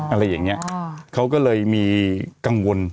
อะไรอย่างนี้เขาก็เลยมีกังวล